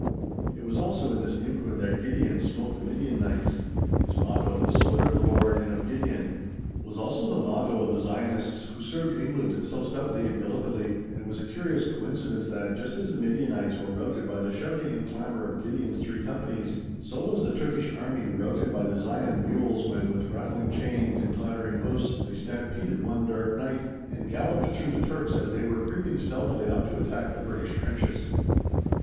It was also in this neighbourhood that Gideon smote the Midianites. His motto, "The sword of the Lord and of Gideon," was also the motto of the Zionists who served England so stoutly in Gallipoli, and it was a curious coincidence that, just as the Midianites were routed by the shouting and clamour of Gideon's three companies, so was the Turkish Army routed by the Zion mules when, with rattling chains and clattering hoofs, they stampeded one dark night and galloped through the Turks as they were creeping stealthily up to attack the British trenches.